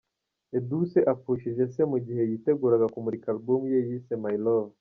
Edouce apfushije se mu gihe yiteguraga kumurika album ye yise ‘My Love’.